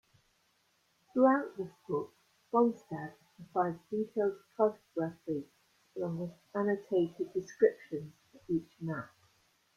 Throughout this book, Fonstad provides detailed cartography along with annotated descriptions for each map.